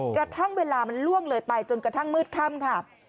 กระทั่งเวลามันล่วงเลยไปจนกระทั่งมืดค่ำค่ะ